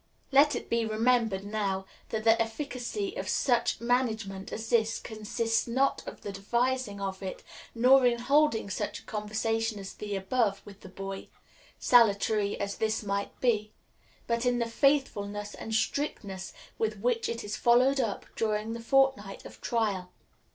Let it be remembered, now, that the efficacy of such management as this consists not in the devising of it, nor in holding such a conversation as the above with the boy salutary as this might be but in the faithfulness and strictness with which it is followed up during the fortnight of trial.